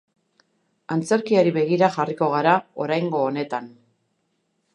Antzerkiari begira jarriko gara oraingo honetan.